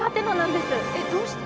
どうして？